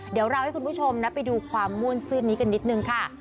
เดี๋ยวเราให้คุณผู้ชมนะไปดูความม่วนซื่นนี้กันนิดนึงค่ะ